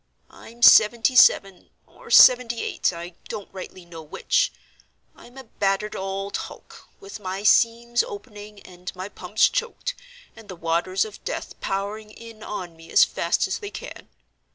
I'm seventy seven, or seventy eight, I don't rightly know which. I'm a battered old hulk, with my seams opening, and my pumps choked, and the waters of Death powering in on me as fast as they can.